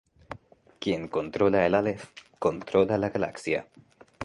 Quien controla el 'Aleph', controla la galaxia.